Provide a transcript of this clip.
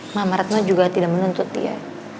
mama ratno juga tidak menuntut dia